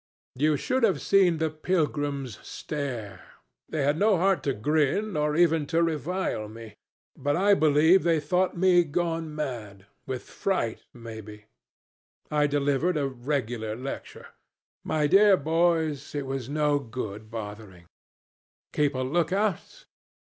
... "You should have seen the pilgrims stare! They had no heart to grin, or even to revile me; but I believe they thought me gone mad with fright, maybe. I delivered a regular lecture. My dear boys, it was no good bothering. Keep a look out?